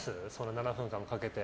７分間かけて。